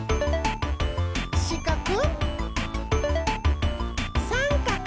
しかく！